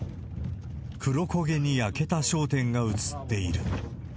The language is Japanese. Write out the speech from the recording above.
黒焦げに焼けた商店が映っている。